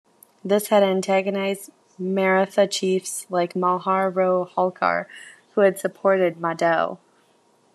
This had antagonized Maratha chiefs like Malhar Rao Holkar, who had supported Madho.